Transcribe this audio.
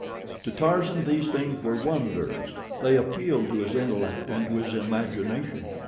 To Tarzan these things were wonders. They appealed to his intellect and to his imagination.